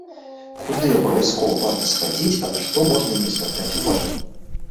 Куды абавязкова варта схадзіць, а на што можна і не звяртаць увагі?